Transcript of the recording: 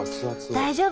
大丈夫？